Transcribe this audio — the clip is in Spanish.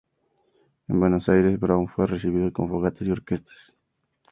En Buenos Aires, Brown fue recibido con fogatas y orquestas.